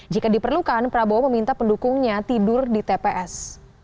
jika diperlukan prabowo meminta pendukungnya tidur di tps